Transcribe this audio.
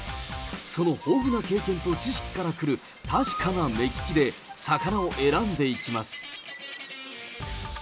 その豊富な経験と知識からくる確かな目利きで、魚を選んでいきます。